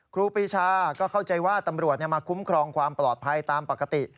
ครูปีชาก็เข้าใจว่าตำรวจมาคุ้มครองความปลอดภัยตามปกติ